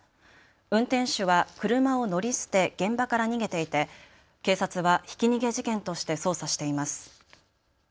運転手は車を乗り捨て現場から逃げていて警察はひき逃げ事件として捜査しています。